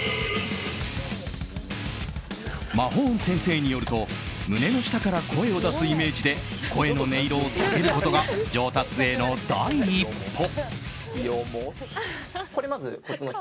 ＭＡＨＯＮＥ先生によると胸の下から声を出すイメージで声の音色を下げることが上達への第一歩。